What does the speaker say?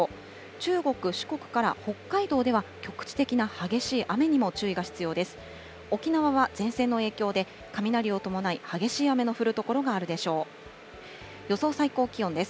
中国、四国から北海道では局地的な激しい雨にも注意が必要です。